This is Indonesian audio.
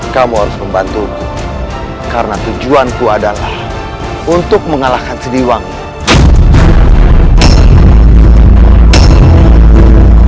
kamu harus membantuku karena tujuanku adalah untuk mengalahkan sediwangi